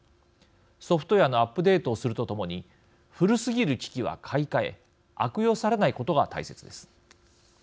ソフトウエアのアップデートをするとともに古すぎる機器は買い替え悪用されないことが大切です。